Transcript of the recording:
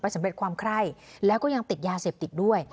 สำเร็จความไคร้แล้วก็ยังติดยาเสพติดด้วย